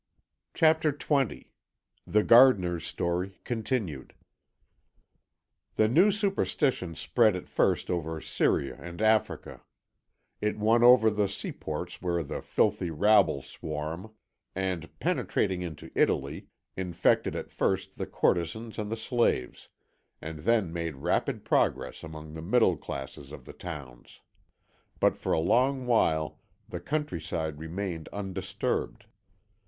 CHAPTER XX THE GARDENER'S STORY, CONTINUED "The new superstition spread at first over Syria and Africa; it won over the seaports where the filthy rabble swarm, and, penetrating into Italy, infected at first the courtesans and the slaves, and then made rapid progress among the middle classes of the towns. But for a long while the country side remained undisturbed.